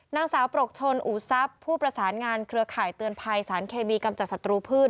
นางสาวปรกชนอูทรัพย์ผู้ประสานงานเครือข่ายเตือนภัยสารเคมีกำจัดศัตรูพืช